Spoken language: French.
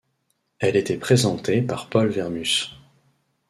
Elle était présentée par Paul Wermus.